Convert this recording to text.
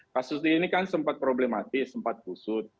kasus ini kan sempat problematis sempat kusut